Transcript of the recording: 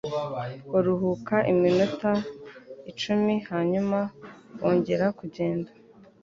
baruhuka iminota icumi, hanyuma bongera kugenda.